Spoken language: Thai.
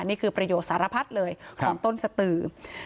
นี่คือประโยชน์สารพัดเลยของต้นสตือ